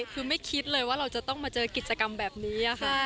คือไม่คิดเลยว่าเราจะต้องมาเจอกิจกรรมแบบนี้ค่ะ